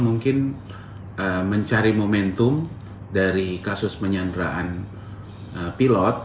mungkin mencari momentum dari kasus penyanderaan pilot